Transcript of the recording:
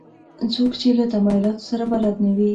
څوک چې له تمایلاتو سره بلد نه وي.